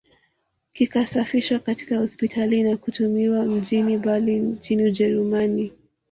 Kikasafishwa katika hospitali na kutumwa mjini Berlin nchini Ujerumani